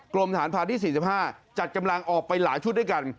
กรมฐานพานที่๔๕จัดกำลังออกไปหลายชุดด้วยกัน